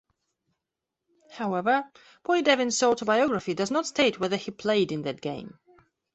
However, Poidevin's autobiography does not state whether he played in that game.